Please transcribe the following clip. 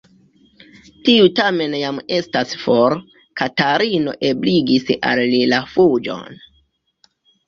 Tiu tamen jam estas for: Katarino ebligis al li la fuĝon.